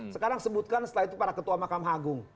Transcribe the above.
sekarang sebutkan setelah itu para ketua mahkamah agung